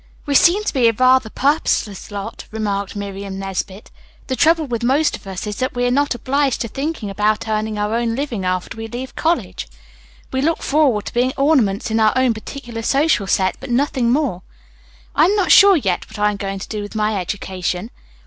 "We seem to be a rather purposeless lot," remarked Miriam Nesbit. "The trouble with most of us is that we are not obliged to think about earning our own living after we leave college. We look forward to being ornaments in our own particular social set, but nothing more. I'm not sure, yet, what I am going to do with my education.